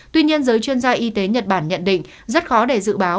tuy nhiên giới chuyên gia y tế nhật bản nhận định rất khó để dự báo